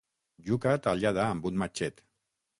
Iuca tallada amb un matxet.